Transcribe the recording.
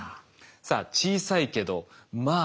さあ小さいけどまあ